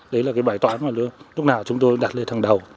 đấy là cái bài toán mà lúc nào chúng tôi đặt lên hàng đầu